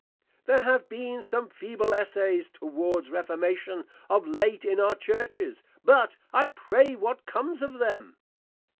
_ There have been some feeble Essays towards Reformation of late in our Churches; but, I pray what comes of them?